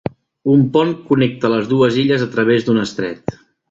Un pont connecta les dues illes a través d'un estret.